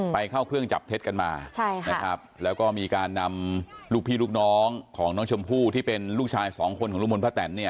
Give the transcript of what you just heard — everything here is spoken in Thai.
เข้าเครื่องจับเท็จกันมาใช่ค่ะนะครับแล้วก็มีการนำลูกพี่ลูกน้องของน้องชมพู่ที่เป็นลูกชายสองคนของลุงพลป้าแตนเนี่ย